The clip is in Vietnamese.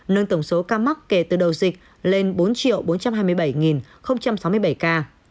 nâng tổng số ca mắc kể từ đầu dịch lên bốn bốn trăm hai mươi bảy sáu mươi bảy ca